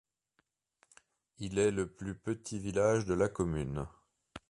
Il est le plus petit village de la commune.